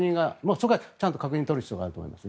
そこはちゃんと確認を取る必要があると思います。